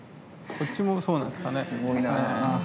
こっちもそうなんですかね。